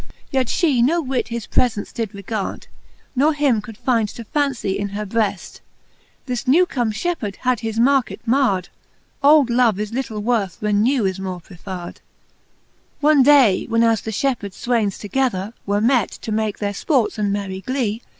Yet flie no whit his prefents did regard, Ne him could find to fancie in her breft : This newcome fhepheard had his market mard. Old love is litle worth, when new is more prefard; XLI. One day when as the fhepheard fwaynes together Were met, to make their fports and merrie glee.